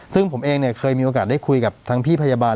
ซึ่งผมเองเนี่ยเคยมีโอกาสได้คุยกับทั้งพี่พยาบาล